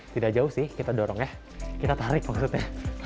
tidak jauh sih kita dorong ya kita tarik maksudnya